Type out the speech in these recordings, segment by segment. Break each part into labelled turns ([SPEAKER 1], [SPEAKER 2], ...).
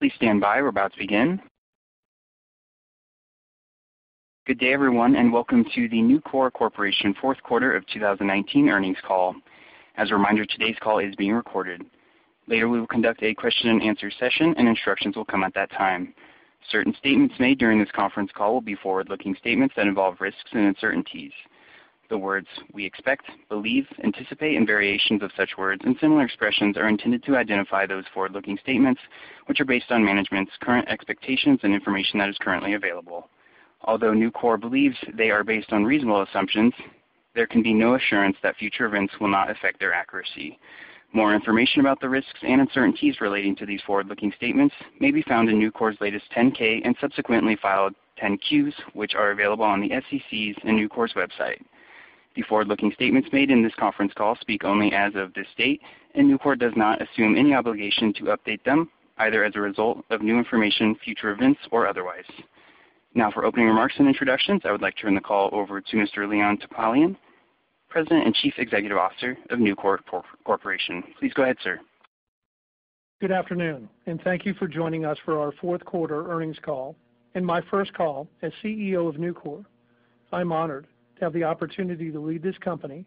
[SPEAKER 1] Please stand by. We're about to begin. Good day, everyone, and welcome to the Nucor Corporation fourth quarter of 2019 earnings call. As a reminder, today's call is being recorded. Later, we will conduct a question and answer session, and instructions will come at that time. Certain statements made during this conference call will be forward-looking statements that involve risks and uncertainties. The words we expect, believe, anticipate, and variations of such words and similar expressions are intended to identify those forward-looking statements, which are based on management's current expectations and information that is currently available. Although Nucor believes they are based on reasonable assumptions, there can be no assurance that future events will not affect their accuracy. More information about the risks and uncertainties relating to these forward-looking statements may be found in Nucor's latest 10-K and subsequently filed 10-Qs, which are available on the SEC's and Nucor's website. The forward-looking statements made in this conference call speak only as of this date, and Nucor does not assume any obligation to update them, either as a result of new information, future events, or otherwise. Now for opening remarks and introductions, I would like to turn the call over to Mr. Leon Topalian, President and Chief Executive Officer of Nucor Corporation. Please go ahead, sir.
[SPEAKER 2] Good afternoon, and thank you for joining us for our fourth quarter earnings call and my first call as CEO of Nucor. I'm honored to have the opportunity to lead this company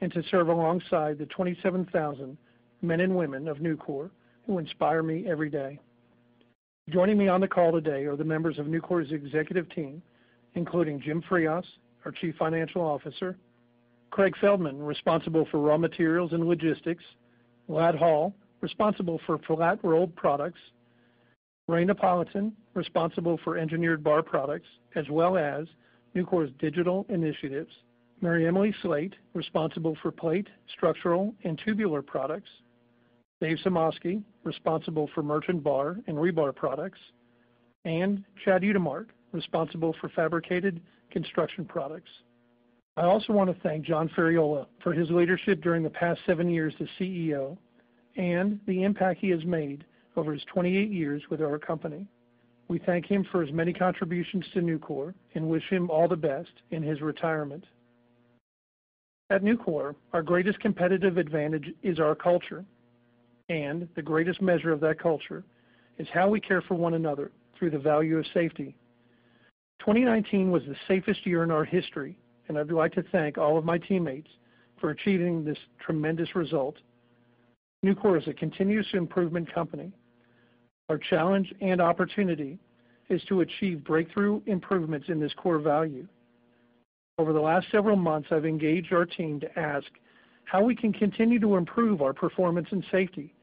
[SPEAKER 2] and to serve alongside the 27,000 men and women of Nucor who inspire me every day. Joining me on the call today are the members of Nucor's executive team, including Jim Frias, our Chief Financial Officer, Craig Feldman, responsible for Raw Materials and Logistics, Ladd Hall, responsible for Sheet Products, Ray Napolitan, responsible for Engineered Bar Products as well as Nucor's Digital initiatives, MaryEmily Slate, responsible for Plate, Structural, and Tubular Products, Dave Sumoski, responsible for Bar and Rebar products, and Chad Utermark, responsible for Fabricated Construction Products. I also want to thank John Ferriola for his leadership during the past seven years as CEO and the impact he has made over his 28 years with our company. We thank him for his many contributions to Nucor and wish him all the best in his retirement. At Nucor, our greatest competitive advantage is our culture, and the greatest measure of that culture is how we care for one another through the value of safety. 2019 was the safest year in our history. I'd like to thank all of my teammates for achieving this tremendous result. Nucor is a continuous improvement company. Our challenge and opportunity is to achieve breakthrough improvements in this core value. Over the last several months, I've engaged our team to ask how we can continue to improve our performance and safety,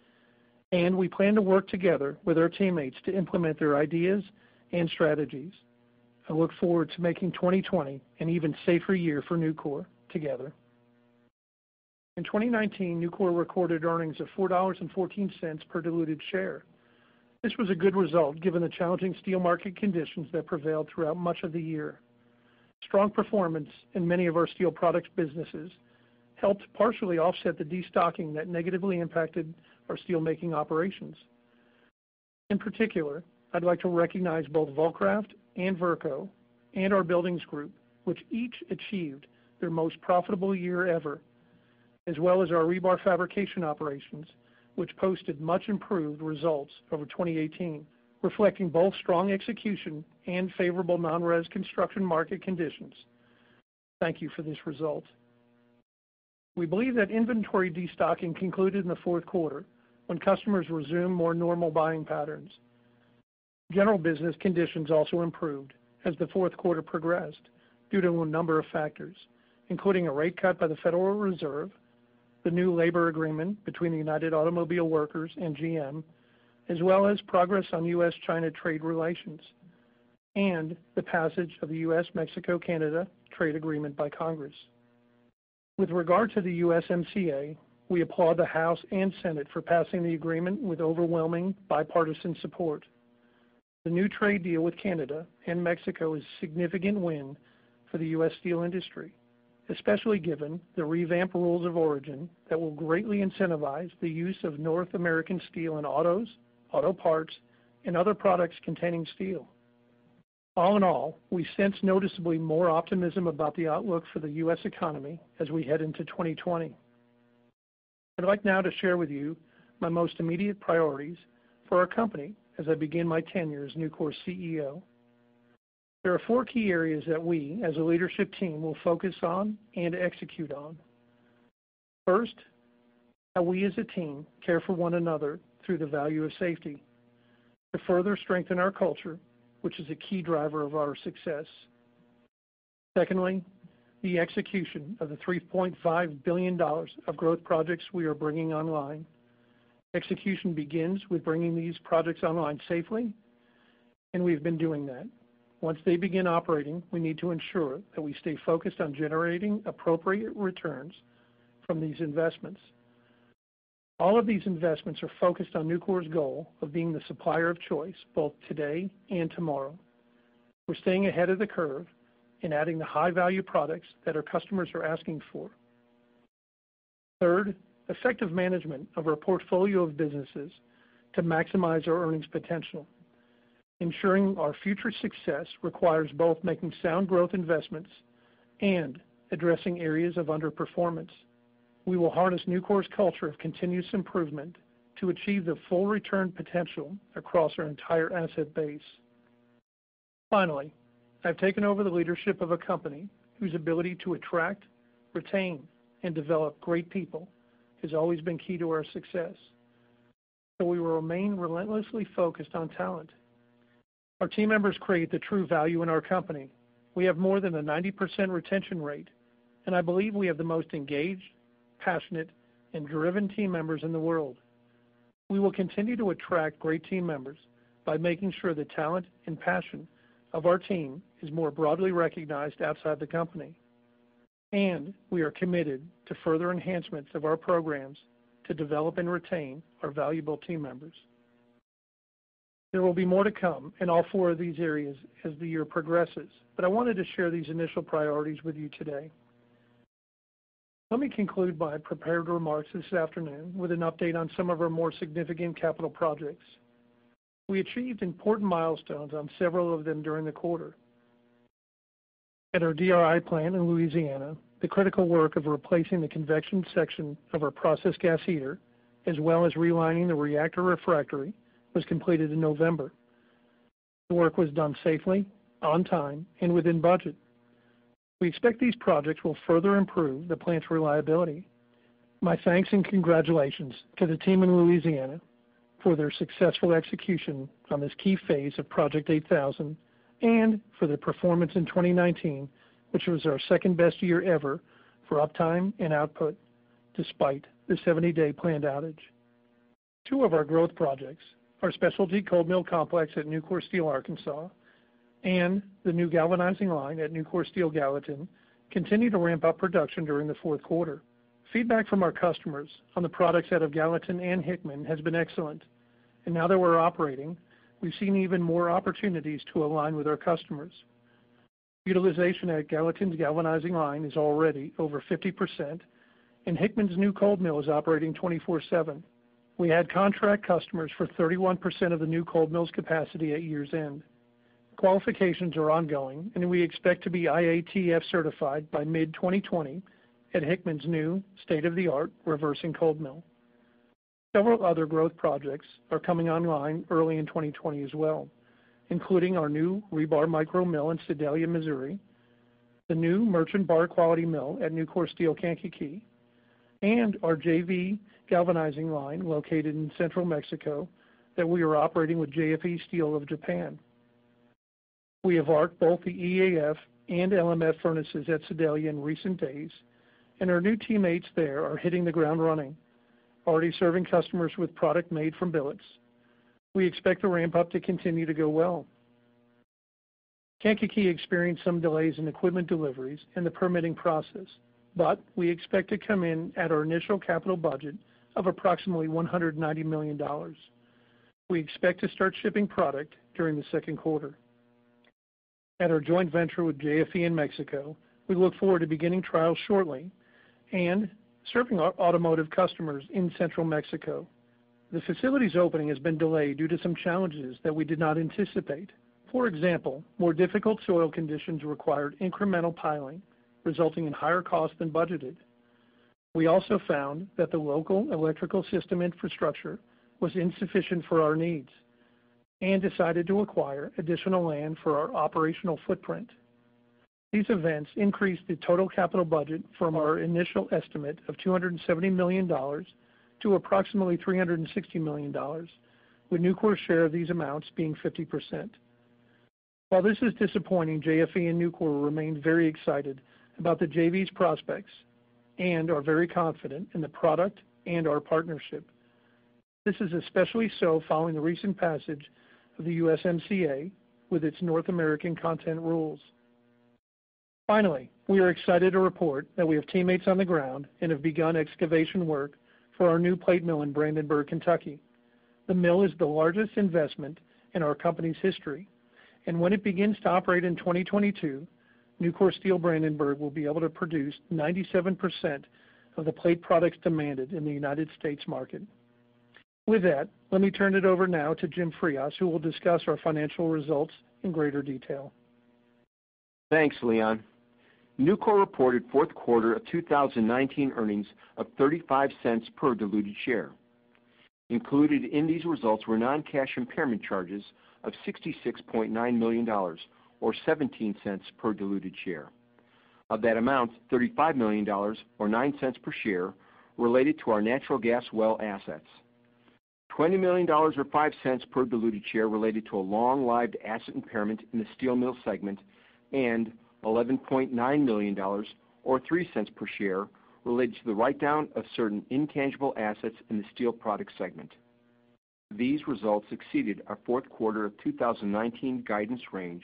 [SPEAKER 2] and we plan to work together with our teammates to implement their ideas and strategies. I look forward to making 2020 an even safer year for Nucor together. In 2019, Nucor recorded earnings of $4.14 per diluted share. This was a good result given the challenging steel market conditions that prevailed throughout much of the year. Strong performance in many of our steel products businesses helped partially offset the destocking that negatively impacted our steelmaking operations. In particular, I'd like to recognize both Vulcraft and Verco and our buildings group, which each achieved their most profitable year ever, as well as our rebar fabrication operations, which posted much-improved results over 2018, reflecting both strong execution and favorable non-res construction market conditions. Thank you for this result. We believe that inventory destocking concluded in the fourth quarter when customers resumed more normal buying patterns. General business conditions also improved as the fourth quarter progressed due to a number of factors, including a rate cut by the Federal Reserve, the new labor agreement between the United Automobile Workers and GM, as well as progress on U.S.-China trade relations, and the passage of the U.S.-Mexico-Canada trade agreement by Congress. With regard to the USMCA, we applaud the House and Senate for passing the agreement with overwhelming bipartisan support. The new trade deal with Canada and Mexico is a significant win for the U.S. steel industry, especially given the revamped rules of origin that will greatly incentivize the use of North American steel in autos, auto parts, and other products containing steel. All in all, we sense noticeably more optimism about the outlook for the U.S. economy as we head into 2020. I'd like now to share with you my most immediate priorities for our company as I begin my tenure as Nucor's CEO. There are four key areas that we, as a leadership team, will focus on and execute on. First, how we as a team care for one another through the value of safety to further strengthen our culture, which is a key driver of our success. Secondly, the execution of the $3.5 billion of growth projects we are bringing online. Execution begins with bringing these projects online safely, and we've been doing that. Once they begin operating, we need to ensure that we stay focused on generating appropriate returns from these investments. All of these investments are focused on Nucor's goal of being the supplier of choice both today and tomorrow. We're staying ahead of the curve and adding the high-value products that our customers are asking for. Third, effective management of our portfolio of businesses to maximize our earnings potential. Ensuring our future success requires both making sound growth investments and addressing areas of underperformance. We will harness Nucor's culture of continuous improvement to achieve the full return potential across our entire asset base. Finally, I've taken over the leadership of a company whose ability to attract, retain, and develop great people has always been key to our success. We will remain relentlessly focused on talent. Our team members create the true value in our company. We have more than a 90% retention rate, and I believe we have the most engaged, passionate, and driven team members in the world. We will continue to attract great team members by making sure the talent and passion of our team is more broadly recognized outside the company, and we are committed to further enhancements of our programs to develop and retain our valuable team members. There will be more to come in all four of these areas as the year progresses, but I wanted to share these initial priorities with you today. Let me conclude my prepared remarks this afternoon with an update on some of our more significant capital projects. We achieved important milestones on several of them during the quarter. At our DRI plant in Louisiana, the critical work of replacing the convection section of our process gas heater, as well as relining the reactor refractory, was completed in November. The work was done safely, on time, and within budget. We expect these projects will further improve the plant's reliability. My thanks and congratulations to the team in Louisiana for their successful execution on this key phase of Project 8000 and for their performance in 2019, which was our second-best year ever for uptime and output, despite the 70-day planned outage. Two of our growth projects, our specialty cold mill complex at Nucor Steel Arkansas and the new galvanizing line at Nucor Steel Gallatin, continued to ramp up production during the fourth quarter. Feedback from our customers on the products out of Gallatin and Hickman has been excellent. Now that we're operating, we've seen even more opportunities to align with our customers. Utilization at Gallatin's galvanizing line is already over 50%, and Hickman's new cold mill is operating 24/7. We had contract customers for 31% of the new cold mill's capacity at year's end. Qualifications are ongoing. We expect to be IATF certified by mid-2020 at Hickman's new state-of-the-art reversing cold mill. Several other growth projects are coming online early in 2020 as well, including our new rebar micro mill in Sedalia, Missouri, the new Merchant Bar Quality mill at Nucor Steel Kankakee, and our JV galvanizing line located in central Mexico that we are operating with JFE Steel of Japan. We have arced both the EAF and LMF furnaces at Sedalia in recent days, and our new teammates there are hitting the ground running, already serving customers with product made from billets. We expect the ramp-up to continue to go well. Kankakee experienced some delays in equipment deliveries and the permitting process, but we expect to come in at our initial capital budget of approximately $190 million. We expect to start shipping product during the second quarter. At our joint venture with JFE in Mexico, we look forward to beginning trials shortly and serving our automotive customers in central Mexico. The facility's opening has been delayed due to some challenges that we did not anticipate. For example, more difficult soil conditions required incremental piling, resulting in higher costs than budgeted. We also found that the local electrical system infrastructure was insufficient for our needs and decided to acquire additional land for our operational footprint. These events increased the total capital budget from our initial estimate of $270 million to approximately $360 million, with Nucor's share of these amounts being 50%. While this is disappointing, JFE and Nucor remain very excited about the JV's prospects and are very confident in the product and our partnership. This is especially so following the recent passage of the USMCA with its North American content rules. Finally, we are excited to report that we have teammates on the ground and have begun excavation work for our new plate mill in Brandenburg, Kentucky. The mill is the largest investment in our company's history, and when it begins to operate in 2022, Nucor Steel Brandenburg will be able to produce 97% of the plate products demanded in the U.S. market. With that, let me turn it over now to Jim Frias, who will discuss our financial results in greater detail.
[SPEAKER 3] Thanks, Leon. Nucor reported fourth quarter of 2019 earnings of $0.35 per diluted share. Included in these results were non-cash impairment charges of $66.9 million, or $0.17 per diluted share. Of that amount, $35 million, or $0.09 per share, related to our natural gas well assets. $20 million, or $0.05 per diluted share, related to a long-lived asset impairment in the steel mill segment, and $11.9 million, or $0.03 per share, related to the write-down of certain intangible assets in the steel product segment. These results exceeded our fourth quarter of 2019 guidance range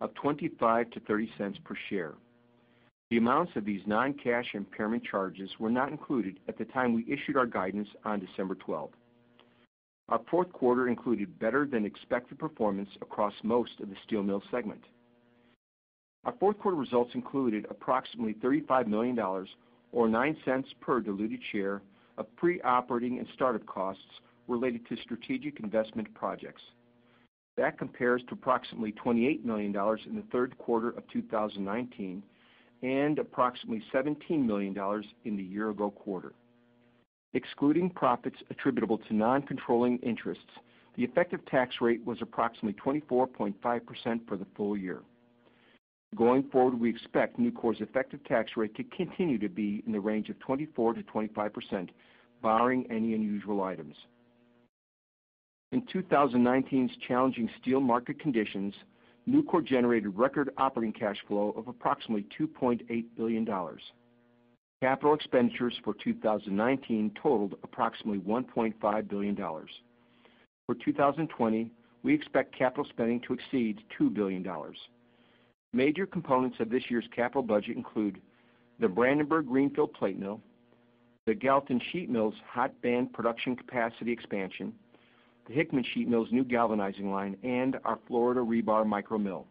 [SPEAKER 3] of $0.25-$0.30 per share. The amounts of these non-cash impairment charges were not included at the time we issued our guidance on December 12th. Our fourth quarter included better-than-expected performance across most of the steel mill segment. Our fourth quarter results included approximately $35 million, or $0.09 per diluted share of pre-operating and startup costs related to strategic investment projects. That compares to approximately $28 million in the third quarter of 2019 and approximately $17 million in the year-ago quarter. Excluding profits attributable to non-controlling interests, the effective tax rate was approximately 24.5% for the full year. Going forward, we expect Nucor's effective tax rate to continue to be in the range of 24%-25%, barring any unusual items. In 2019's challenging steel market conditions, Nucor generated record operating cash flow of approximately $2.8 billion. Capital expenditures for 2019 totaled approximately $1.5 billion. For 2020, we expect capital spending to exceed $2 billion. Major components of this year's capital budget include the Brandenburg greenfield plate mill, the Gallatin Sheet mill's hot band production capacity expansion, the Hickman Sheet mill's new galvanizing line, and our Florida rebar micro mill.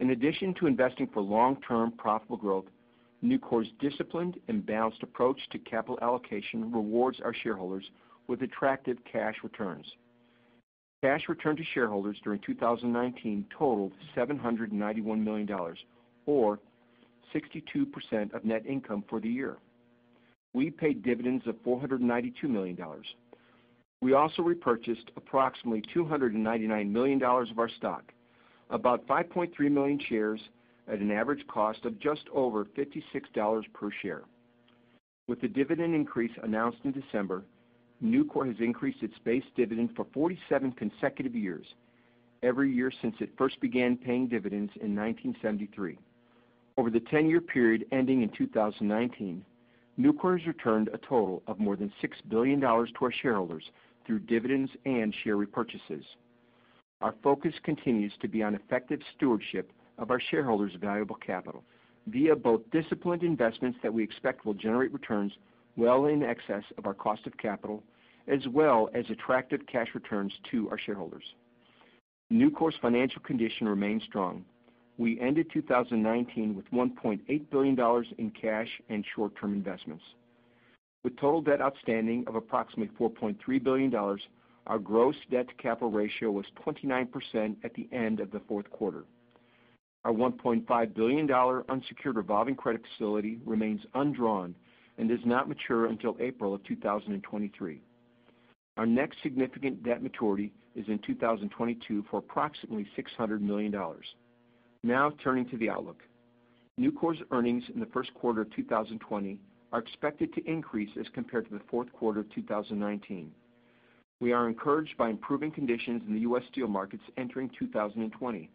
[SPEAKER 3] In addition to investing for long-term profitable growth, Nucor's disciplined and balanced approach to capital allocation rewards our shareholders with attractive cash returns. Cash return to shareholders during 2019 totaled $791 million, or 62% of net income for the year. We paid dividends of $492 million. We also repurchased approximately $299 million of our stock, about 5.3 million shares, at an average cost of just over $56 per share. With the dividend increase announced in December, Nucor has increased its base dividend for 47 consecutive years, every year since it first began paying dividends in 1973. Over the 10-year period ending in 2019, Nucor's returned a total of more than $6 billion to our shareholders through dividends and share repurchases. Our focus continues to be on effective stewardship of our shareholders' valuable capital via both disciplined investments that we expect will generate returns well in excess of our cost of capital, as well as attractive cash returns to our shareholders. Nucor's financial condition remains strong. We ended 2019 with $1.8 billion in cash and short-term investments. With total debt outstanding of approximately $4.3 billion, our gross debt-to-capital ratio was 29% at the end of the fourth quarter. Our $1.5 billion unsecured revolving credit facility remains undrawn and does not mature until April of 2023. Our next significant debt maturity is in 2022 for approximately $600 million. Now turning to the outlook. Nucor's earnings in the first quarter of 2020 are expected to increase as compared to the fourth quarter of 2019. We are encouraged by improving conditions in the U.S. steel markets entering 2020.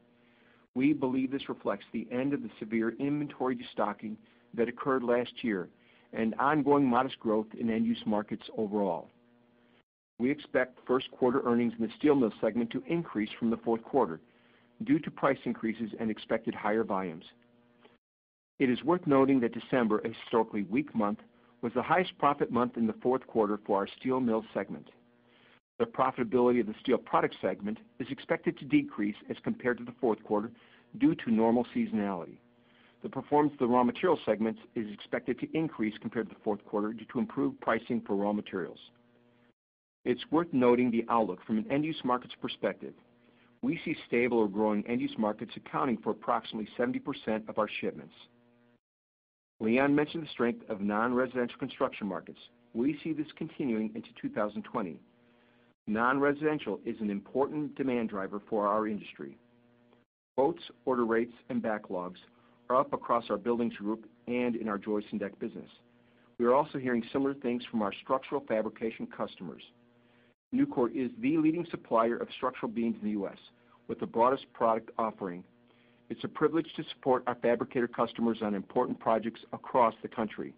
[SPEAKER 3] We believe this reflects the end of the severe inventory destocking that occurred last year and ongoing modest growth in end-use markets overall. We expect first quarter earnings in the steel mill segment to increase from the fourth quarter due to price increases and expected higher volumes. It is worth noting that December, a historically weak month, was the highest profit month in the fourth quarter for our steel mill segment. The profitability of the steel product segment is expected to decrease as compared to the fourth quarter due to normal seasonality. The performance of the raw material segment is expected to increase compared to the fourth quarter due to improved pricing for raw materials. It's worth noting the outlook from an end-use markets perspective. We see stable or growing end-use markets accounting for approximately 70% of our shipments. Leon mentioned the strength of non-residential construction markets. We see this continuing into 2020. Non-residential is an important demand driver for our industry. Quotes, order rates, and backlogs are up across our buildings group and in our joists and deck business. We are also hearing similar things from our structural fabrication customers. Nucor is the leading supplier of structural beams in the U.S. with the broadest product offering. It's a privilege to support our fabricator customers on important projects across the country.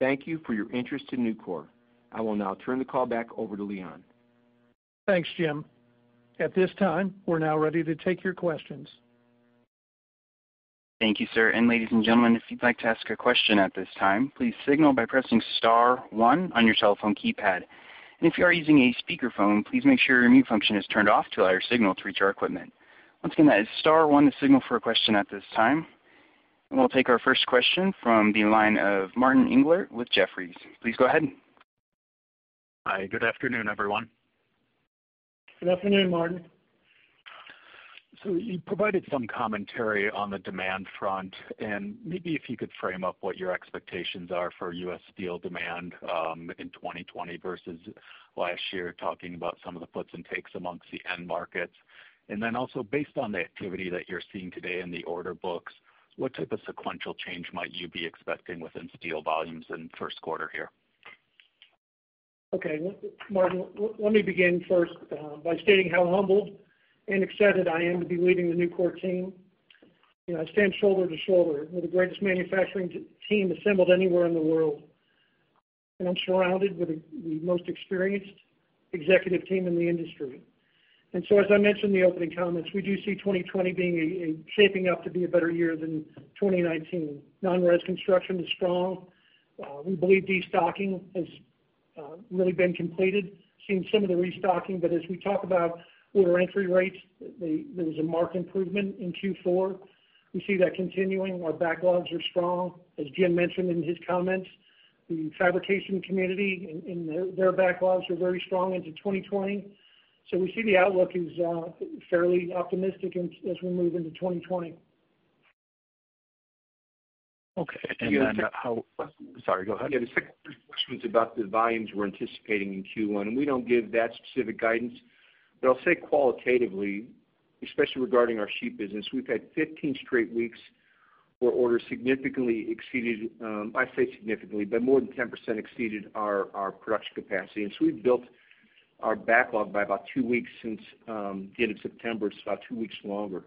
[SPEAKER 3] Thank you for your interest in Nucor. I will now turn the call back over to Leon.
[SPEAKER 2] Thanks, Jim. At this time, we're now ready to take your questions.
[SPEAKER 1] Thank you, sir. Ladies and gentlemen, if you'd like to ask a question at this time, please signal by pressing star one on your cell phone keypad. If you are using a speakerphone, please make sure your mute function is turned off to allow your signal to reach our equipment. Once again, that is star one to signal for a question at this time. We'll take our first question from the line of Martin Englert with Jefferies. Please go ahead.
[SPEAKER 4] Hi. Good afternoon, everyone.
[SPEAKER 2] Good afternoon, Martin.
[SPEAKER 4] You provided some commentary on the demand front, and maybe if you could frame up what your expectations are for U.S. steel demand in 2020 versus last year, talking about some of the puts and takes amongst the end markets. Also based on the activity that you're seeing today in the order books, what type of sequential change might you be expecting within steel volumes in the first quarter here?
[SPEAKER 2] Okay, Martin. Let me begin first by stating how humbled and excited I am to be leading the Nucor team. I stand shoulder to shoulder with the greatest manufacturing team assembled anywhere in the world. I'm surrounded with the most experienced executive team in the industry. As I mentioned in the opening comments, we do see 2020 shaping up to be a better year than 2019. Non-res construction is strong. We believe destocking has really been completed, seeing some of the restocking, but as we talk about order entry rates, there was a marked improvement in Q4. We see that continuing. Our backlogs are strong. As Jim mentioned in his comments, the fabrication community and their backlogs are very strong into 2020. We see the outlook is fairly optimistic as we move into 2020.
[SPEAKER 4] Okay. Sorry, go ahead.
[SPEAKER 3] The second question was about the volumes we're anticipating in Q1. We don't give that specific guidance. I'll say qualitatively, especially regarding our sheet business, we've had 15 straight weeks where orders significantly exceeded, I say significantly, but more than 10% exceeded our production capacity. We've built our backlog by about two weeks since the end of September. It's about two weeks longer.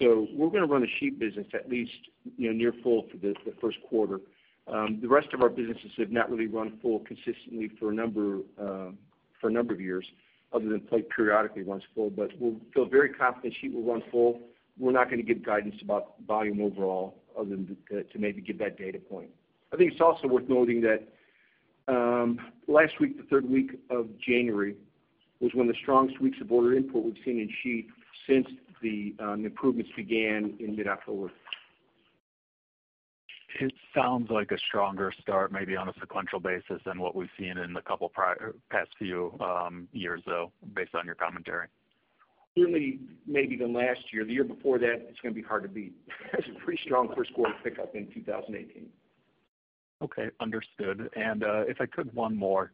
[SPEAKER 3] We're going to run the sheet business at least near full for the first quarter. The rest of our businesses have not really run full consistently for a number of years, other than periodically runs full. We feel very confident sheet will run full. We're not going to give guidance about volume overall, other than to maybe give that data point. I think it's also worth noting that last week, the third week of January, was one of the strongest weeks of order input we've seen in sheet since the improvements began in mid-October.
[SPEAKER 4] It sounds like a stronger start, maybe on a sequential basis than what we've seen in the past few years, though, based on your commentary.
[SPEAKER 3] Certainly maybe than last year. The year before that, it's going to be hard to beat. It was a pretty strong first quarter pickup in 2018.
[SPEAKER 4] Okay. Understood. If I could, one more.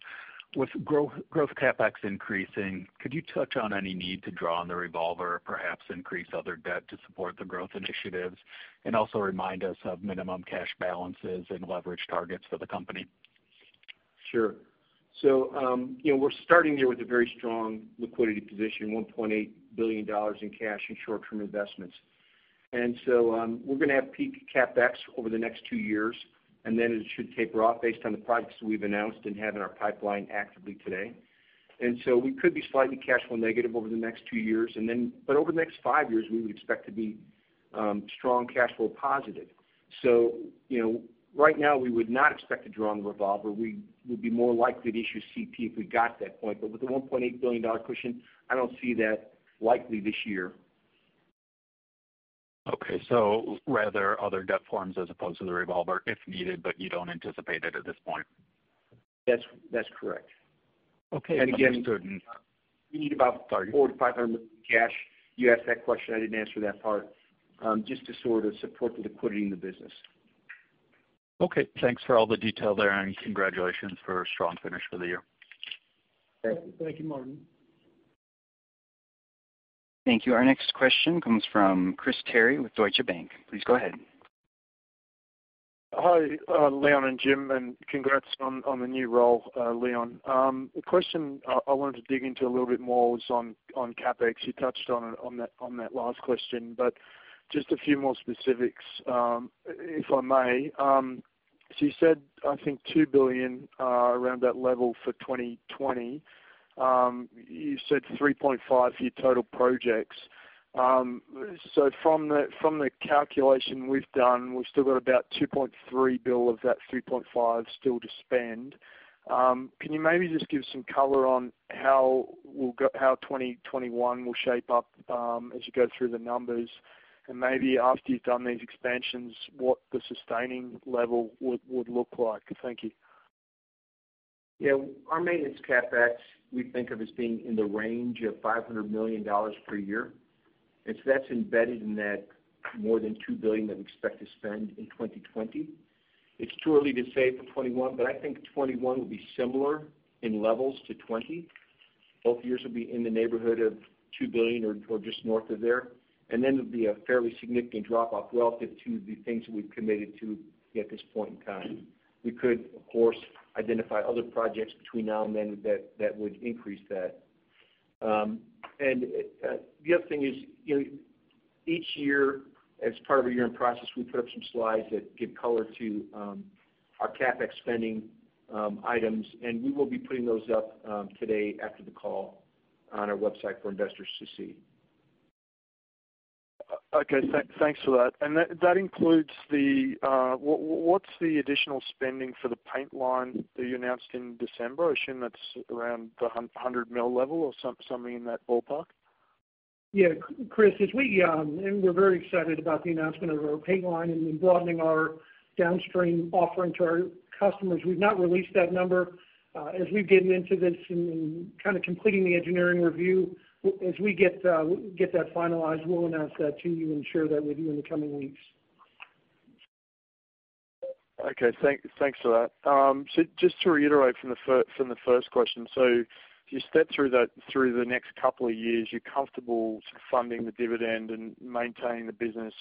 [SPEAKER 4] With growth CapEx increasing, could you touch on any need to draw on the revolver, perhaps increase other debt to support the growth initiatives? Also remind us of minimum cash balances and leverage targets for the company.
[SPEAKER 3] Sure. We're starting here with a very strong liquidity position, $1.8 billion in cash and short-term investments. We're going to have peak CapEx over the next two years, then it should taper off based on the projects that we've announced and have in our pipeline actively today. We could be slightly cash flow negative over the next two years, but over the next five years, we would expect to be strong cash flow positive. Right now, we would not expect to draw on the revolver. We would be more likely to issue CP if we got to that point. With a $1.8 billion cushion, I don't see that likely this year.
[SPEAKER 4] Okay. Rather other debt forms as opposed to the revolver if needed, but you don't anticipate it at this point.
[SPEAKER 3] That's correct.
[SPEAKER 4] Okay. Understood.
[SPEAKER 3] And again-
[SPEAKER 4] Sorry.
[SPEAKER 3] We need about $4 million-$500 million cash. You asked that question, I didn't answer that part. Just to sort of support the liquidity in the business.
[SPEAKER 4] Okay. Thanks for all the detail there. Congratulations for a strong finish for the year.
[SPEAKER 3] Thank you.
[SPEAKER 2] Thank you, Martin.
[SPEAKER 1] Thank you. Our next question comes from Chris Terry with Deutsche Bank. Please go ahead.
[SPEAKER 5] Hi, Leon and Jim, and congrats on the new role, Leon. The question I wanted to dig into a little bit more was on CapEx. You touched on that last question. Just a few more specifics, if I may. You said, I think $2 billion, around that level for 2020. You said $3.5 billion for your total projects. From the calculation we've done, we've still got about $2.3 billion of that $3.5 billion still to spend. Can you maybe just give some color on how 2021 will shape up as you go through the numbers, and maybe after you've done these expansions, what the sustaining level would look like? Thank you.
[SPEAKER 3] Our maintenance CapEx, we think of as being in the range of $500 million per year. That's embedded in that more than $2 billion that we expect to spend in 2020. It's too early to say for 2021, I think 2021 will be similar in levels to 2020. Both years will be in the neighborhood of $2 billion or just north of there. There'll be a fairly significant drop-off relative to the things that we've committed to at this point in time. We could, of course, identify other projects between now and then that would increase that. The other thing is, each year, as part of our year-end process, we put up some slides that give color to our CapEx spending items, and we will be putting those up today after the call on our website for investors to see.
[SPEAKER 5] Okay. Thanks for that. What's the additional spending for the paint line that you announced in December? I assume that's around the $100 million level or something in that ballpark?
[SPEAKER 2] Yeah, Chris, we're very excited about the announcement of our paint line and broadening our downstream offering to our customers. We've not released that number. As we've gotten into this and kind of completing the engineering review, as we get that finalized, we'll announce that to you and share that with you in the coming weeks.
[SPEAKER 5] Okay. Thanks for that. Just to reiterate from the first question. If you step through the next couple of years, you're comfortable sort of funding the dividend and maintaining the business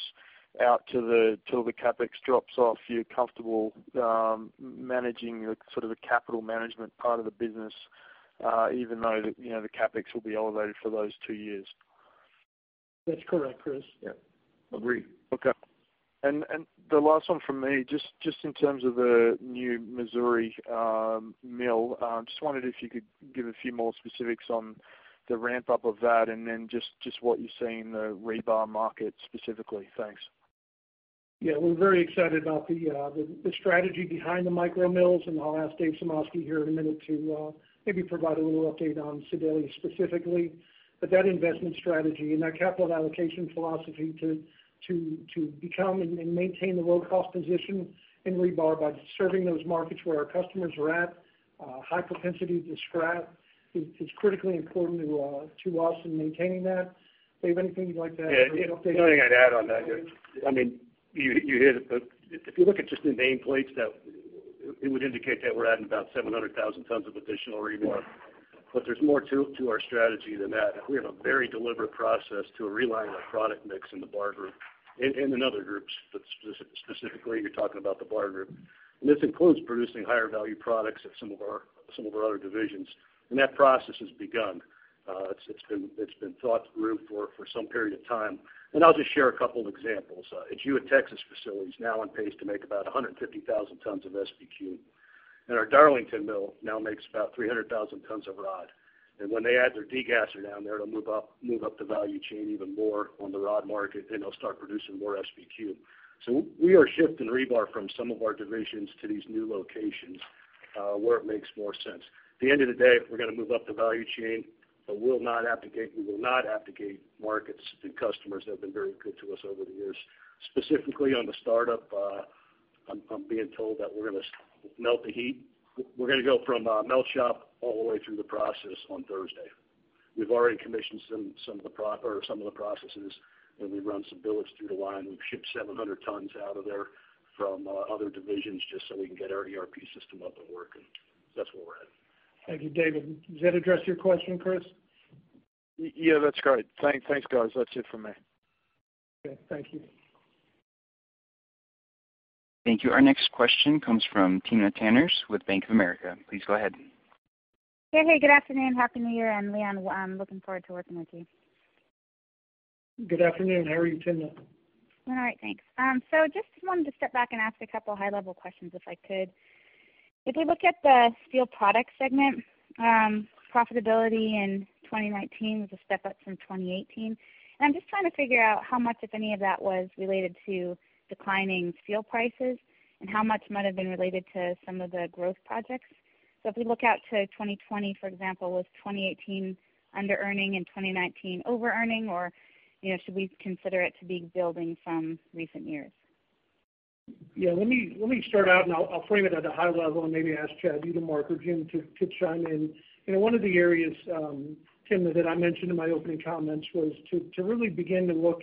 [SPEAKER 5] out till the CapEx drops off. You're comfortable managing sort of the capital management part of the business even though the CapEx will be elevated for those two years.
[SPEAKER 2] That's correct, Chris.
[SPEAKER 3] Yeah. Agreed.
[SPEAKER 5] Okay. The last one from me, just in terms of the new Missouri mill, just wondered if you could give a few more specifics on the ramp-up of that and then just what you see in the rebar market specifically. Thanks.
[SPEAKER 2] Yeah, we're very excited about the strategy behind the micro mills, and I'll ask Dave Sumoski here in a minute to maybe provide a little update on Sedalia specifically. That investment strategy and that capital allocation philosophy to become and maintain the low-cost position in rebar by serving those markets where our customers are at, high propensity to scrap, is critically important to us in maintaining that. Dave, anything you'd like to add?
[SPEAKER 6] Yeah. The only thing I'd add on that is, you hit it, but if you look at just the nameplates, it would indicate that we're adding about 700,000 tons of additional rebar. There's more to our strategy than that. We have a very deliberate process to realign our product mix in the bar group and in other groups, but specifically, you're talking about the bar group. This includes producing higher value products at some of our other divisions, and that process has begun. It's been thought through for some period of time. I'll just share a couple of examples. At Jewett, Texas facilities now on pace to make about 150,000 tons of SBQ. Our Darlington mill now makes about 300,000 tons of rod. When they add their degasser down there, it'll move up the value chain even more on the rod market, they'll start producing more SBQ. We are shifting rebar from some of our divisions to these new locations, where it makes more sense. At the end of the day, if we're going to move up the value chain, we will not abdicate markets and customers that have been very good to us over the years. Specifically, on the startup, I'm being told that we're going to melt the heat. We're going to go from a melt shop all the way through the process on Thursday. We've already commissioned some of the processes, we run some billets through the line. We've shipped 700 tons out of there from other divisions just so we can get our ERP system up and working. That's where we're at.
[SPEAKER 2] Thank you, David. Does that address your question, Chris?
[SPEAKER 5] Yeah, that's great. Thanks, guys. That's it for me.
[SPEAKER 2] Okay. Thank you.
[SPEAKER 1] Thank you. Our next question comes from Timna Tanners with Bank of America. Please go ahead.
[SPEAKER 7] Hey. Good afternoon. Happy New Year, and Leon, I'm looking forward to working with you.
[SPEAKER 2] Good afternoon. How are you, Timna?
[SPEAKER 7] Thanks. Just wanted to step back and ask a couple of high-level questions, if I could. If we look at the steel products segment, profitability in 2019 was a step up from 2018. I'm just trying to figure out how much, if any of that was related to declining steel prices and how much might have been related to some of the growth projects. If we look out to 2020, for example, was 2018 under-earning and 2019 over-earning, or should we consider it to be building from recent years?
[SPEAKER 2] Let me start out, I'll frame it at a high level and maybe ask Chad Utermark or Jim to chime in. One of the areas, Timna, that I mentioned in my opening comments was to really begin to look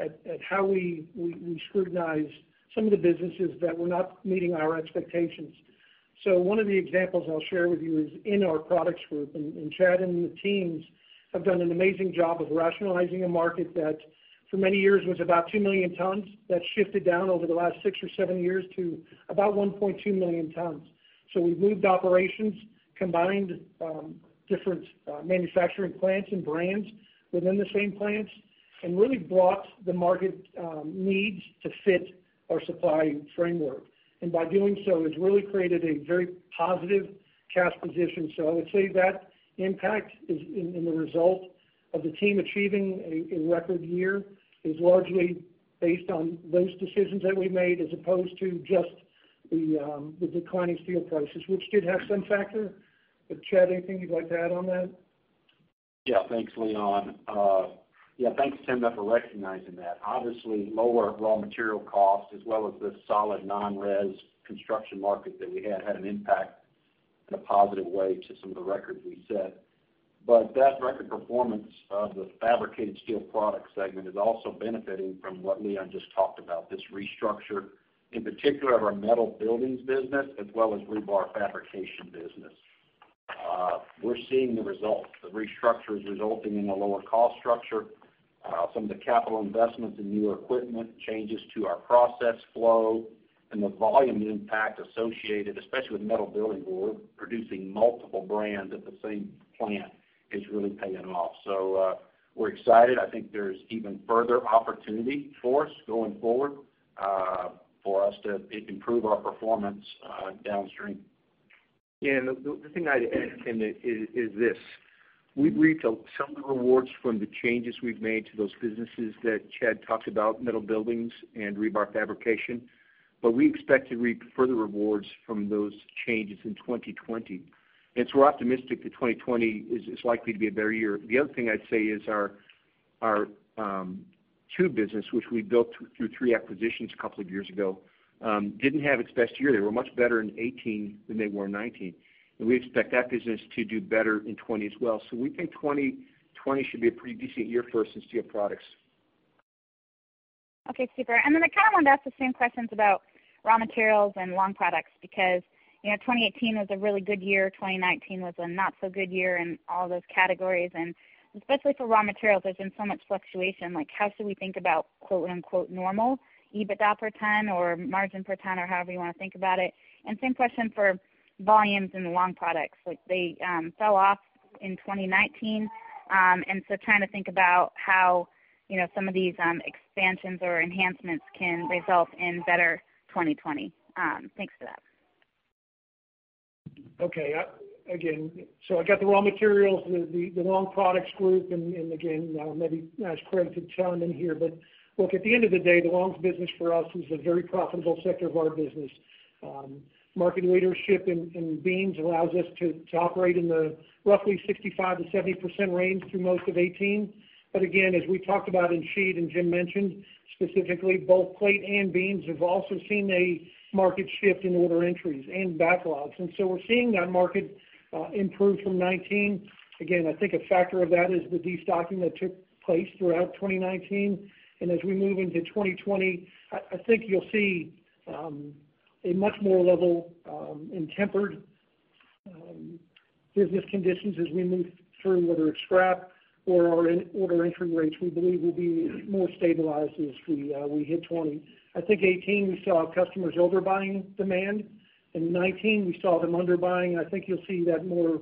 [SPEAKER 2] at how we scrutinize some of the businesses that were not meeting our expectations. One of the examples I'll share with you is in our products group, Chad and the teams have done an amazing job of rationalizing a market that for many years was about 2 million tons. That shifted down over the last six or seven years to about 1.2 million tons. We moved operations, combined different manufacturing plants and brands within the same plants, really brought the market needs to fit our supply framework. By doing so, has really created a very positive cash position. I would say that impact in the result of the team achieving a record year is largely based on those decisions that we made, as opposed to just the declining steel prices, which did have some factor. Chad, anything you'd like to add on that?
[SPEAKER 8] Yeah. Thanks, Leon. Yeah, thanks, Timna, for recognizing that. Obviously, lower raw material costs as well as the solid non-res construction market that we had an impact in a positive way to some of the records we set. That record performance of the fabricated steel products segment is also benefiting from what Leon just talked about, this restructure, in particular of our metal buildings business as well as rebar fabrication business. We're seeing the results. The restructure is resulting in a lower cost structure. Some of the capital investments in newer equipment, changes to our process flow, and the volume impact associated, especially with metal building where we're producing multiple brands at the same plant, is really paying off. We're excited. I think there's even further opportunity for us going forward, for us to improve our performance downstream.
[SPEAKER 3] Yeah, the thing I'd add, Timna, is this. We've reaped some of the rewards from the changes we've made to those businesses that Chad talked about, metal buildings and rebar fabrication, but we expect to reap further rewards from those changes in 2020. We're optimistic that 2020 is likely to be a better year. The other thing I'd say is our tube business, which we built through three acquisitions a couple of years ago, didn't have its best year. They were much better in 2018 than they were in 2019. We expect that business to do better in 2020 as well. We think 2020 should be a pretty decent year for us in steel products.
[SPEAKER 7] Okay, super. I kind of wanted to ask the same questions about raw materials and long products, because 2018 was a really good year, 2019 was a not so good year in all those categories, and especially for raw materials, there's been so much fluctuation. How should we think about "normal" EBITDA per ton or margin per ton or however you want to think about it? Same question for volumes in the long products. They fell off in 2019, trying to think about how some of these expansions or enhancements can result in better 2020. Thanks for that.
[SPEAKER 2] Okay. Again, I got the raw materials, the long products group, and again, now maybe ask Craig to chime in here. Look, at the end of the day, the longs business for us is a very profitable sector of our business. Market leadership in beams allows us to operate in the roughly 65%-70% range through most of 2018. Again, as we talked about in sheet and Jim mentioned specifically, both plate and beams have also seen a market shift in order entries and backlogs. We're seeing that market improve from 2019. Again, I think a factor of that is the de-stocking that took place throughout 2019. As we move into 2020, I think you'll see a much more level and tempered business conditions as we move through, whether it's scrap or our order entry rates, we believe will be more stabilized as we hit 2020. I think 2018 we saw customers overbuying demand. In 2019, we saw them under buying, and I think you'll see that more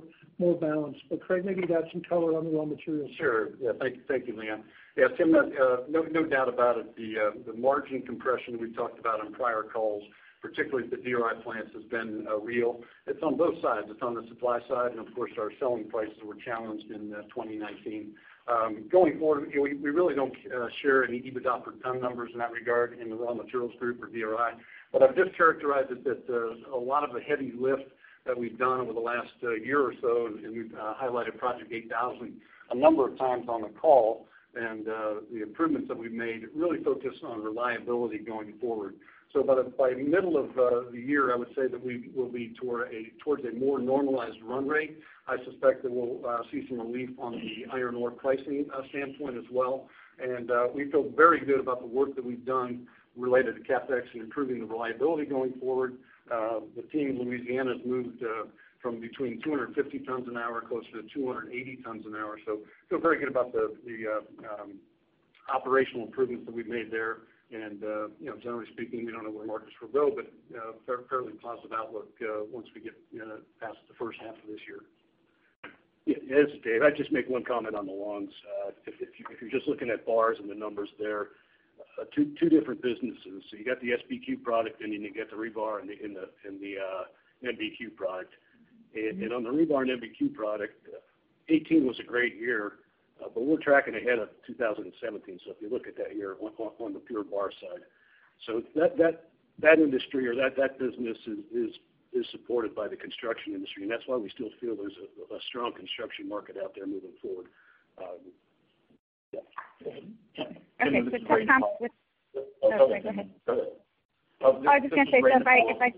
[SPEAKER 2] balanced. Craig, maybe you got some color on the raw materials.
[SPEAKER 9] Sure. Yeah. Thank you, Leon. Yeah, Timna, no doubt about it. The margin compression we've talked about on prior calls, particularly at the DRI plants, has been real. It's on both sides. It's on the supply side, and of course, our selling prices were challenged in 2019. Going forward, we really don't share any EBITDA per ton numbers in that regard in the raw materials group or DRI. I would just characterize it that a lot of the heavy lift that we've done over the last year or so, and we've highlighted Project 8000 a number of times on the call, and the improvements that we've made really focus on reliability going forward. By the middle of the year, I would say that we will be towards a more normalized run rate. I suspect that we'll see some relief on the iron ore pricing standpoint as well, and we feel very good about the work that we've done related to CapEx and improving the reliability going forward. We feel very good about the operational improvements that we've made there, and generally speaking, we don't know where markets will go, but fairly positive outlook once we get past the first half of this year.
[SPEAKER 6] Yeah. This is Dave. I'd just make one comment on the longs. If you're just looking at bars and the numbers there, two different businesses. You got the SBQ product, and then you got the rebar and the MBQ product. On the rebar and MBQ product, 2018 was a great year, but we're tracking ahead of 2017. If you look at that year on the pure bar side. That industry or that business is supported by the construction industry, and that's why we still feel there's a strong construction market out there moving forward. Yeah.
[SPEAKER 10] Timna, this is Ray.
[SPEAKER 7] Okay, tough comps.
[SPEAKER 10] Oh, go ahead.
[SPEAKER 7] Oh, sorry. Go ahead.
[SPEAKER 10] Oh, this is Ray. Oh, I was just going to say, so if I-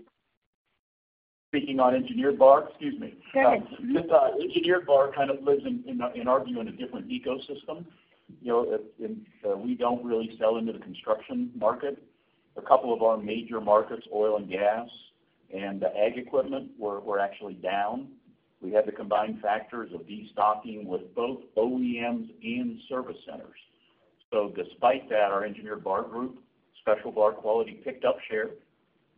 [SPEAKER 10] Speaking on engineered bar, excuse me.
[SPEAKER 7] Go ahead. Mm-hmm.
[SPEAKER 10] This engineered bar kind of lives, in our view, in a different ecosystem. We don't really sell into the construction market. A couple of our major markets, oil and gas and ag equipment, were actually down. We had the combined factors of de-stocking with both OEMs and service centers. Despite that, our engineered bar group, special bar quality picked up share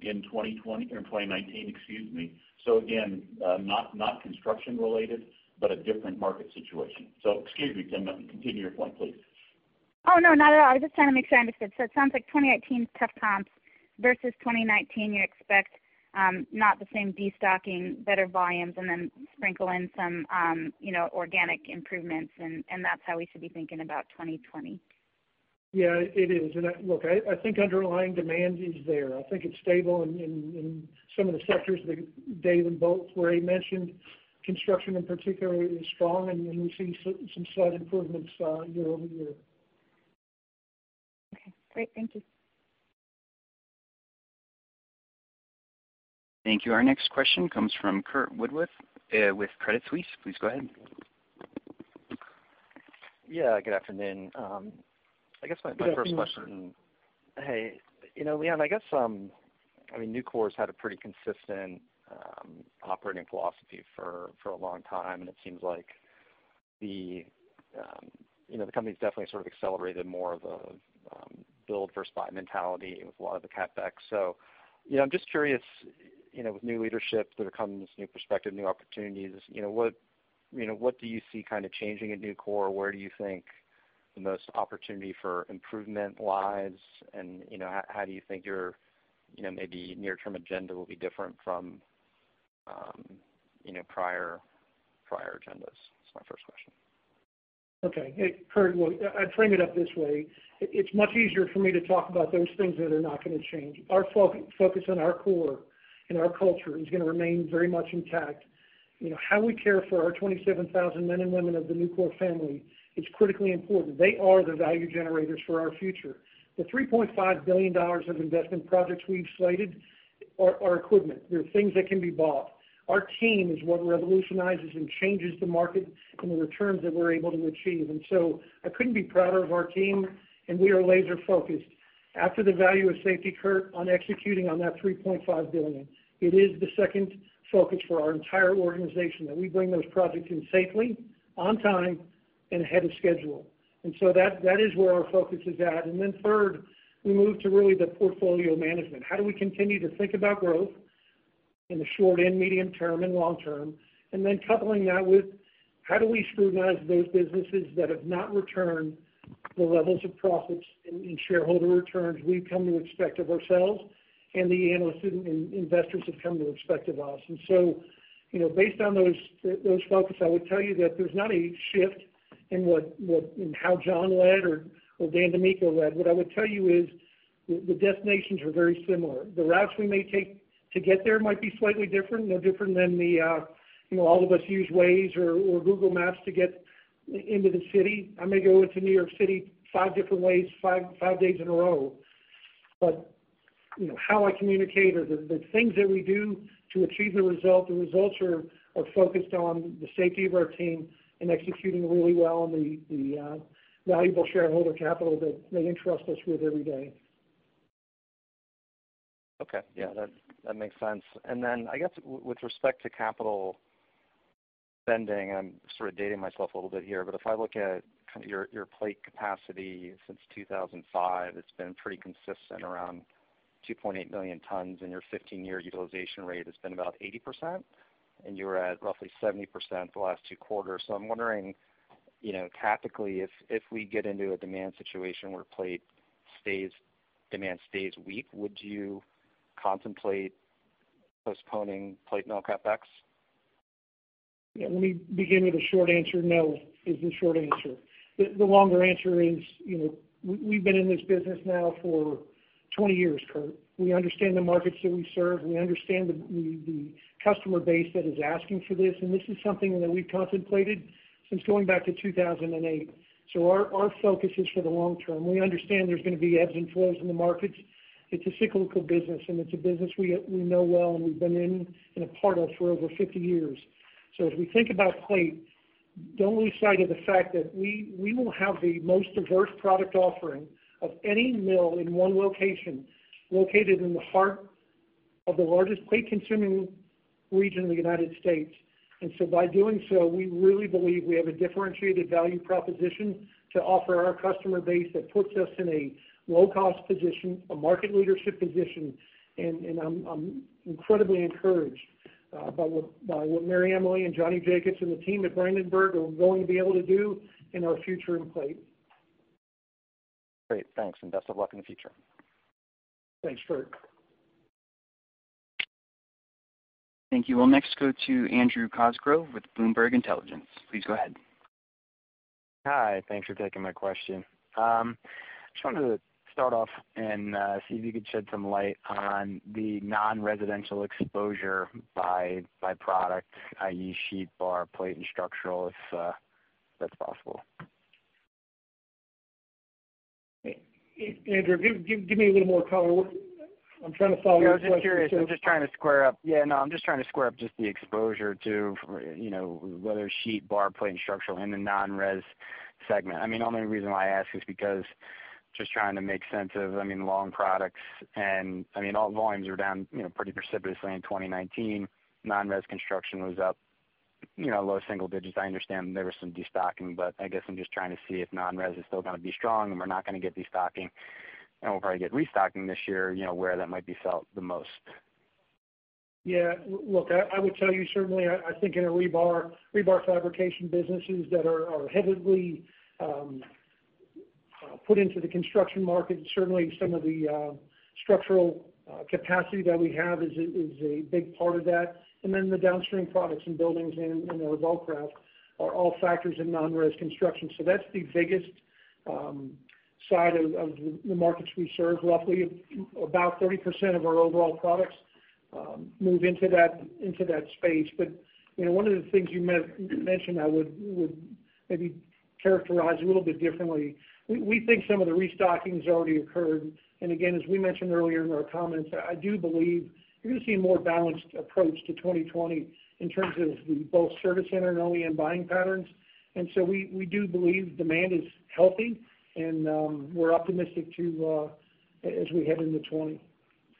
[SPEAKER 10] in 2020, or 2019, excuse me. Again, not construction related, but a different market situation. Excuse me, Timna. Continue your point, please.
[SPEAKER 7] Oh, no. Not at all. I was just trying to make sure I understood. It sounds like 2018's tough comps versus 2019, you expect not the same de-stocking, better volumes, and then sprinkle in some organic improvements, and that's how we should be thinking about 2020.
[SPEAKER 2] Yeah, it is. Look, I think underlying demand is there. I think it's stable in some of the sectors that David Bolt, where he mentioned construction in particular, is strong, and we see some slight improvements year-over-year.
[SPEAKER 7] Okay, great. Thank you.
[SPEAKER 1] Thank you. Our next question comes from Curt Woodworth with Credit Suisse. Please go ahead.
[SPEAKER 11] Yeah, good afternoon. I guess my first question.
[SPEAKER 2] Good afternoon.
[SPEAKER 11] Hey. Leon, I guess, Nucor's had a pretty consistent operating philosophy for a long time. It seems like the company's definitely sort of accelerated more of a build versus buy mentality with a lot of the CapEx. I'm just curious, with new leadership, there comes new perspective, new opportunities. What do you see kind of changing at Nucor? Where do you think the most opportunity for improvement lies? How do you think your maybe near-term agenda will be different from prior agendas? That's my first question.
[SPEAKER 2] Okay. Hey, Curt. Well, I'd frame it up this way. It's much easier for me to talk about those things that are not going to change. Our focus on our core and our culture is going to remain very much intact. How we care for our 27,000 men and women of the Nucor family is critically important. They are the value generators for our future. The $3.5 billion of investment projects we've slated are equipment. They're things that can be bought. Our team is what revolutionizes and changes the market and the returns that we're able to achieve. I couldn't be prouder of our team, and we are laser-focused. After the value of safety, Curt, on executing on that $3.5 billion, it is the second focus for our entire organization, that we bring those projects in safely, on time, and ahead of schedule. That is where our focus is at. Third, we move to really the portfolio management. How do we continue to think about growth in the short and medium term and long term, and then coupling that with how do we scrutinize those businesses that have not returned the levels of profits and shareholder returns we've come to expect of ourselves, and the analysts and investors have come to expect of us? Based on those focus, I would tell you that there's not a shift in how John led or Dan DiMicco led. What I would tell you is the destinations are very similar. The routes we may take to get there might be slightly different. Different than the all of us use Waze or Google Maps to get into the city. I may go into New York City five different ways, five days in a row. How I communicate or the things that we do to achieve the result, the results are focused on the safety of our team and executing really well on the valuable shareholder capital that they entrust us with every day.
[SPEAKER 11] Okay. Yeah, that makes sense. I guess with respect to capital spending, I'm sort of dating myself a little bit here, but if I look at your plate capacity since 2005, it's been pretty consistent around 2.8 million tons, and your 15-year utilization rate has been about 80%, and you're at roughly 70% the last two quarters. I'm wondering, tactically, if we get into a demand situation where plate demand stays weak, would you contemplate postponing plate mill CapEx?
[SPEAKER 2] Yeah. Let me begin with a short answer. No is the short answer. The longer answer is, we've been in this business now for 20 years, Curt. We understand the markets that we serve. We understand the customer base that is asking for this, and this is something that we've contemplated since going back to 2008. Our focus is for the long term. We understand there's going to be ebbs and flows in the markets. It's a cyclical business, and it's a business we know well, and we've been in a part of for over 50 years. As we think about plate, don't lose sight of the fact that we will have the most diverse product offering of any mill in one location, located in the heart of the largest plate-consuming region in the U.S. By doing so, we really believe we have a differentiated value proposition to offer our customer base that puts us in a low-cost position, a market leadership position, and I'm incredibly encouraged by what MaryEmily and Johnny Jacobs and the team at Brandenburg are going to be able to do in our future in plate.
[SPEAKER 11] Great. Thanks, and best of luck in the future.
[SPEAKER 2] Thanks, Curt.
[SPEAKER 1] Thank you. We'll next go to Andrew Cosgrove with Bloomberg Intelligence. Please go ahead.
[SPEAKER 12] Hi. Thanks for taking my question. Just wanted to start off and see if you could shed some light on the non-residential exposure by product, i.e., sheet, bar, plate, and structural, if that's possible.
[SPEAKER 2] Andrew, give me a little more color. I'm trying to follow your question.
[SPEAKER 12] Yeah, I was just curious. I'm just trying to square up. Yeah, no, I'm just trying to square up just the exposure to whether sheet, bar, plate, and structural in the non-res segment. The only reason why I ask is because just trying to make sense of long products, all volumes are down pretty precipitously in 2019. Non-res construction was up low single digits. I understand there was some de-stocking, I guess I'm just trying to see if non-res is still going to be strong and we're not going to get de-stocking, and we'll probably get restocking this year, where that might be felt the most.
[SPEAKER 2] Yeah. Look, I would tell you certainly, I think in our rebar fabrication businesses that are heavily put into the construction market, certainly some of the structural capacity that we have is a big part of that. Then the downstream products in buildings and in our Vulcraft are all factors in non-res construction. That's the biggest side of the markets we serve. Roughly about 30% of our overall products move into that space. One of the things you mentioned, I would maybe characterize a little bit differently. We think some of the restocking has already occurred. Again, as we mentioned earlier in our comments, I do believe you're going to see a more balanced approach to 2020 in terms of both service center and OEM buying patterns. We do believe demand is healthy, and we're optimistic too as we head into 2020.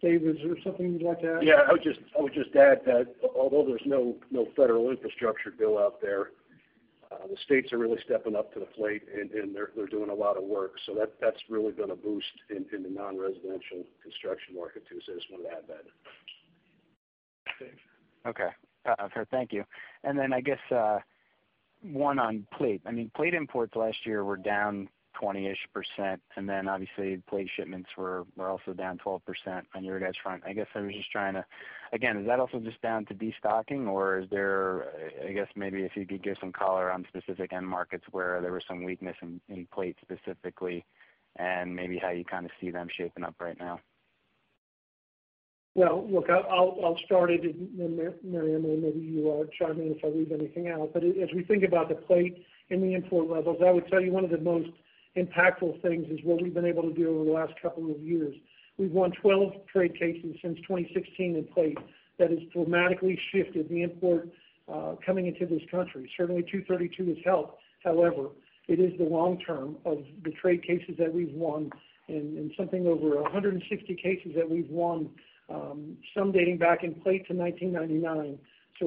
[SPEAKER 2] Dave, is there something you'd like to add?
[SPEAKER 6] Yeah. I would just add that although there's no federal infrastructure bill out there, the states are really stepping up to the plate, and they're doing a lot of work. That's really going to boost in the non-residential construction market too. Just wanted to add that.
[SPEAKER 2] Dave.
[SPEAKER 12] Okay. Fair. Thank you. I guess one on plate. Plate imports last year were down 20-ish%, and then obviously plate shipments were also down 12% on your guys' front. Again, is that also just down to de-stocking, or is there, I guess maybe if you could give some color on specific end markets where there was some weakness in plate specifically and maybe how you kind of see them shaping up right now?
[SPEAKER 2] Well, look, I'll start it, and then MaryEmily, maybe you chime in if I leave anything out. As we think about the plate and the import levels, I would tell you one of the most impactful things is what we've been able to do over the last couple of years. We've won 12 trade cases since 2016 in plate that has dramatically shifted the import coming into this country. Certainly 232 has helped. However, it is the long term of the trade cases that we've won and something over 160 cases that we've won, some dating back in plate to 1999.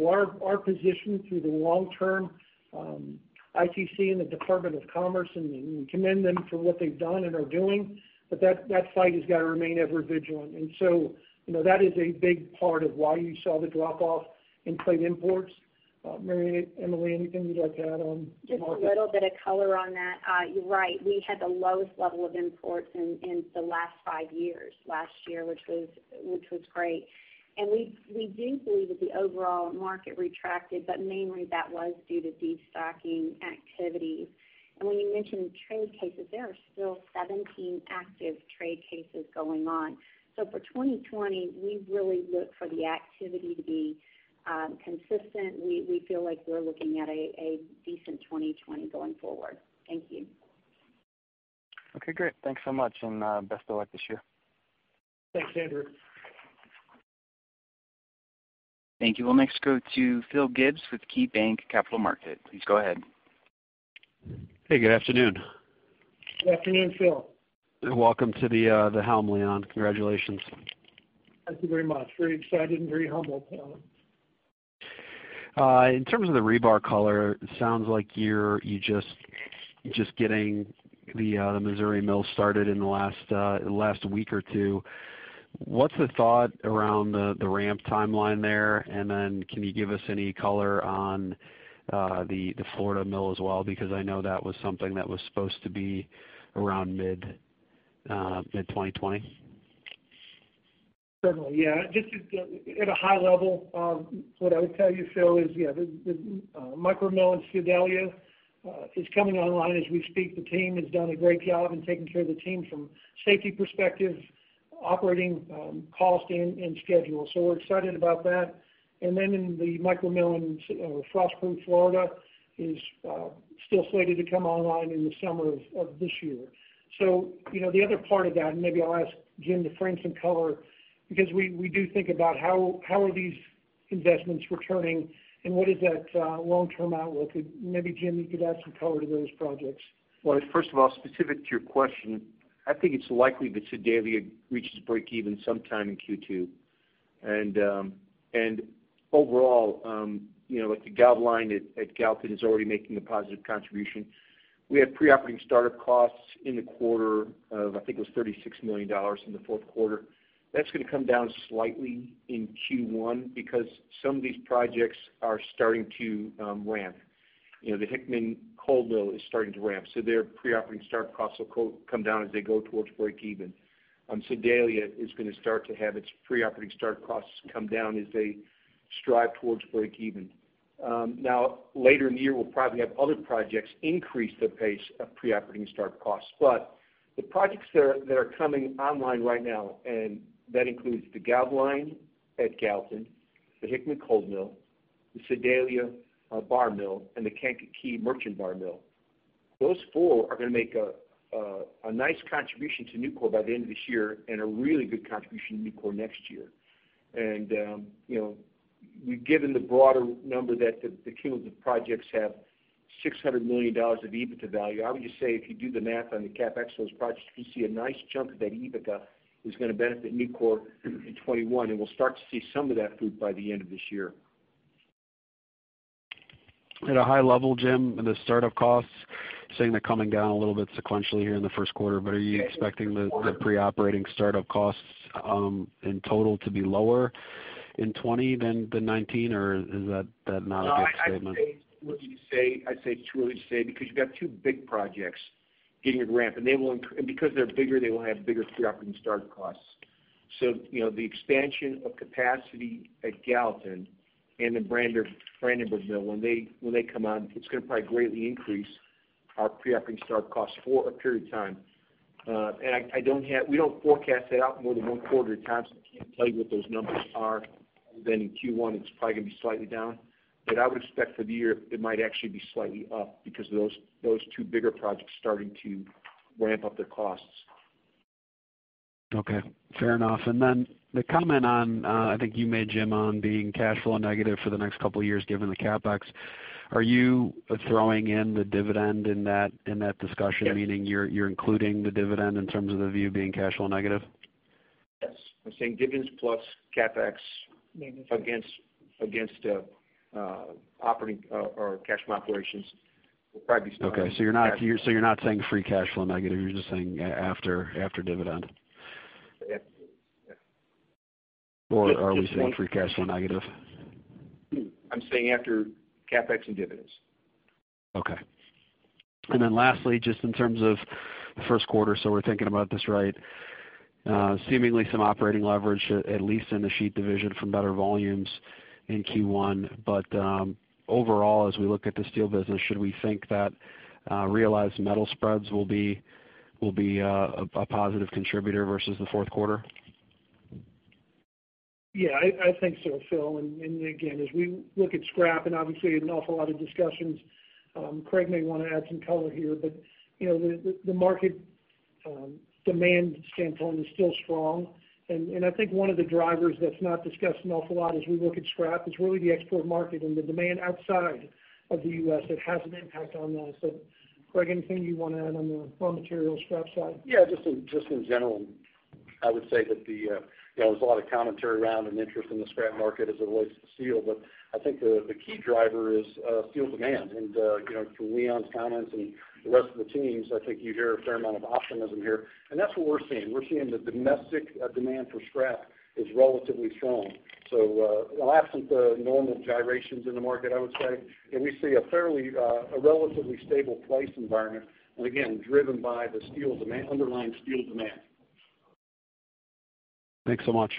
[SPEAKER 2] Our position through the long-term ITC and the Department of Commerce, and we commend them for what they've done and are doing. That fight has got to remain ever vigilant. That is a big part of why you saw the drop-off in plate imports. MaryEmily, anything you'd like to add on markets?
[SPEAKER 13] Just a little bit of color on that. You're right. We had the lowest level of imports in the last five years last year, which was great. We do believe that the overall market retracted, but mainly that was due to destocking activity. When you mention trade cases, there are still 17 active trade cases going on. For 2020, we really look for the activity to be consistent. We feel like we're looking at a decent 2020 going forward. Thank you.
[SPEAKER 12] Okay, great. Thanks so much, and best of luck this year.
[SPEAKER 2] Thanks, Andrew.
[SPEAKER 1] Thank you. We'll next go to Phil Gibbs with KeyBanc Capital Markets. Please go ahead.
[SPEAKER 14] Hey, good afternoon.
[SPEAKER 2] Good afternoon, Phil.
[SPEAKER 14] Welcome to the helm, Leon. Congratulations.
[SPEAKER 2] Thank you very much. Very excited and very humbled.
[SPEAKER 14] In terms of the rebar color, it sounds like you're just getting the Missouri mill started in the last week or two. What's the thought around the ramp timeline there? Then can you give us any color on the Florida mill as well? I know that was something that was supposed to be around mid-2020.
[SPEAKER 2] Certainly, yeah. Just at a high level, what I would tell you, Phil, is, yeah, the micro mill in Sedalia is coming online as we speak. The team has done a great job in taking care of the team from safety perspective, operating, cost, and schedule. We're excited about that. In the micro mill in Frostproof, Florida, is still slated to come online in the summer of this year. The other part of that, and maybe I'll ask Jim to frame some color, because we do think about how are these investments returning and what is that long-term outlook? Maybe Jim, you could add some color to those projects.
[SPEAKER 3] Well, first of all, specific to your question, I think it's likely that Sedalia reaches breakeven sometime in Q2. Overall, like the gal line at Gallatin is already making a positive contribution. We had pre-operating start-up costs in the quarter of, I think it was $36 million in the fourth quarter. That's going to come down slightly in Q1 because some of these projects are starting to ramp. The Hickman cold mill is starting to ramp, so their pre-operating start costs will come down as they go towards breakeven. Sedalia is going to start to have its pre-operating start costs come down as they strive towards breakeven. Now, later in the year, we'll probably have other projects increase the pace of pre-operating start costs. The projects that are coming online right now, and that includes the gal line at Gallatin, the Hickman coal mill, the Sedalia bar mill, and the Kankakee merchant bar mill. Those four are going to make a nice contribution to Nucor by the end of this year and a really good contribution to Nucor next year. We've given the broader number that the cumulative projects have $600 million of EBITDA value. I would just say if you do the math on the CapEx of those projects, you can see a nice chunk of that EBITDA is going to benefit Nucor in 2021, and we'll start to see some of that fruit by the end of this year.
[SPEAKER 14] At a high level, Jim, the start-up costs, saying they're coming down a little bit sequentially here in the first quarter, but are you expecting the pre-operating start-up costs in total to be lower in 2020 than the 2019, or is that not a good statement?
[SPEAKER 3] No, I'd say too early to say, because you've got two big projects getting a ramp. Because they're bigger, they will have bigger pre-operating start costs. The expansion of capacity at Gallatin and the Brandenburg mill, when they come on, it's going to probably greatly increase our pre-operating start costs for a period of time. We don't forecast that out more than one quarter at a time. We can't tell you what those numbers are. Other than in Q1, it's probably going to be slightly down. I would expect for the year it might actually be slightly up because of those two bigger projects starting to ramp up their costs.
[SPEAKER 14] Okay, fair enough. Then the comment on, I think you made Jim, on being cash flow negative for the next couple of years, given the CapEx. Are you throwing in the dividend in that discussion?
[SPEAKER 3] Yes.
[SPEAKER 14] Meaning you're including the dividend in terms of the view being cash flow negative?
[SPEAKER 3] Yes. I'm saying dividends plus CapEx against cash from operations will probably be slightly negative.
[SPEAKER 14] Okay. You're not saying free cash flow negative, you're just saying after dividend?
[SPEAKER 3] Yes.
[SPEAKER 14] Are we saying free cash flow negative?
[SPEAKER 3] I'm saying after CapEx and dividends.
[SPEAKER 14] Okay. Lastly, just in terms of the first quarter, we're thinking about this right. Seemingly some operating leverage, at least in the sheet division from better volumes in Q1. Overall, as we look at the steel business, should we think that realized metal spreads will be a positive contributor versus the fourth quarter?
[SPEAKER 2] Yeah, I think so, Phil. As we look at scrap and obviously an awful lot of discussions, Craig may want to add some color here, but the market demand standpoint is still strong. One of the drivers that's not discussed an awful lot as we look at scrap is really the export market and the demand outside of the U.S. that has an impact on that. Craig, anything you want to add on the raw material scrap side?
[SPEAKER 9] Yeah, just in general. I would say that there's a lot of commentary around and interest in the scrap market as it relates to steel. I think the key driver is steel demand. From Leon's comments and the rest of the team's, I think you hear a fair amount of optimism here, and that's what we're seeing. We're seeing the domestic demand for scrap is relatively strong. Absent the normal gyrations in the market, I would say, and we see a relatively stable price environment, and again, driven by the underlying steel demand.
[SPEAKER 14] Thanks so much.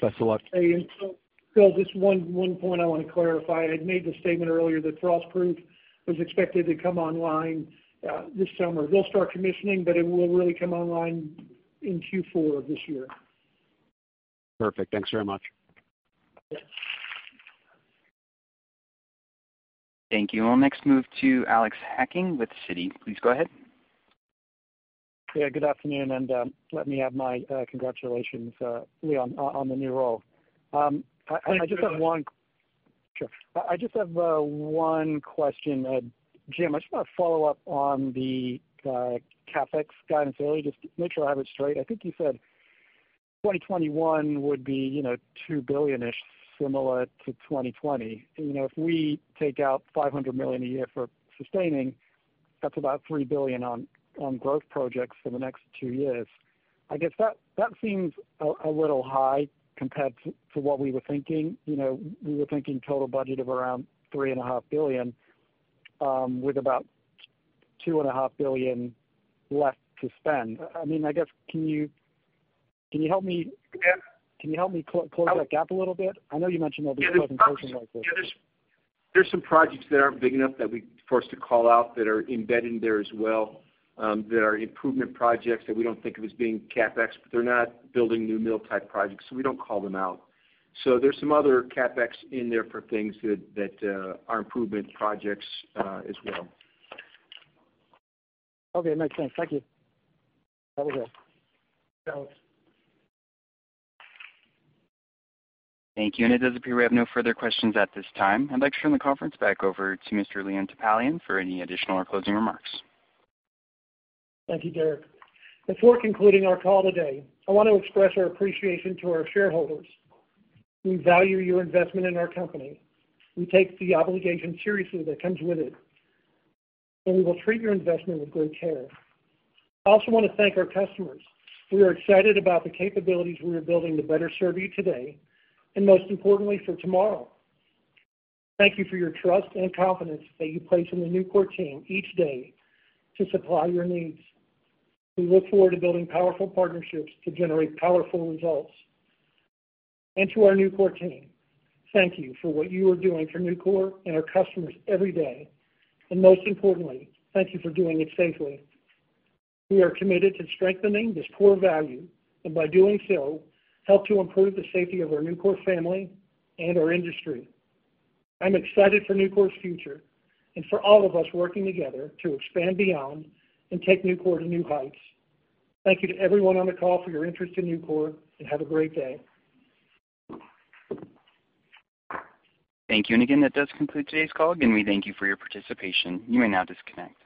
[SPEAKER 14] Best of luck.
[SPEAKER 2] Hey, Phil, just one point I want to clarify. I had made the statement earlier that Frostproof was expected to come online this summer. We'll start commissioning, but it will really come online in Q4 of this year.
[SPEAKER 14] Perfect. Thanks very much.
[SPEAKER 2] Yes.
[SPEAKER 1] Thank you. I'll next move to Alex Hacking with Citi. Please go ahead.
[SPEAKER 15] Yeah, good afternoon, and let me add my congratulations, Leon, on the new role.
[SPEAKER 2] Thank you.
[SPEAKER 15] Sure. I just have one question. Jim, I just want to follow up on the CapEx guidance earlier, just to make sure I have it straight. I think you said 2021 would be $2 billion-ish, similar to 2020. If we take out $500 million a year for sustaining, that's about $3 billion on growth projects for the next two years. I guess that seems a little high compared to what we were thinking. We were thinking total budget of around $3.5 billion, with about $2.5 billion left to spend. I guess, can you help me?
[SPEAKER 3] Yeah.
[SPEAKER 15] close that gap a little bit? I know you mentioned there'll be-
[SPEAKER 3] Yeah.
[SPEAKER 15] closing.
[SPEAKER 3] There's some projects that aren't big enough for us to call out that are embedded in there as well, that are improvement projects that we don't think of as being CapEx. They're not building new mill-type projects, so we don't call them out. There's some other CapEx in there for things that are improvement projects as well.
[SPEAKER 15] Okay, makes sense. Thank you. Have a good one.
[SPEAKER 2] Thanks.
[SPEAKER 1] Thank you. It does appear we have no further questions at this time. I'd like to turn the conference back over to Mr. Leon Topalian for any additional or closing remarks.
[SPEAKER 2] Thank you, Derek. Before concluding our call today, I want to express our appreciation to our shareholders. We value your investment in our company. We take the obligation seriously that comes with it, and we will treat your investment with great care. I also want to thank our customers. We are excited about the capabilities we are building to better serve you today, and most importantly, for tomorrow. Thank you for your trust and confidence that you place in the Nucor team each day to supply your needs. We look forward to building powerful partnerships to generate powerful results. To our Nucor team, thank you for what you are doing for Nucor and our customers every day, and most importantly, thank you for doing it safely. We are committed to strengthening this core value, and by doing so, help to improve the safety of our Nucor family and our industry. I'm excited for Nucor's future and for all of us working together to expand beyond and take Nucor to new heights. Thank you to everyone on the call for your interest in Nucor, and have a great day.
[SPEAKER 1] Thank you. Again, that does conclude today's call. Again, we thank you for your participation. You may now disconnect.